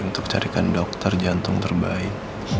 untuk carikan dokter jantung terbaik